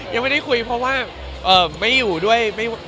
ยังไม่ได้คุยเพราะว่าไม่อยู่ด้วย